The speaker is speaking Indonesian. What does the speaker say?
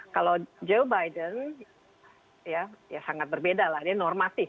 kalau joe biden ya sangat berbeda lah dia normatif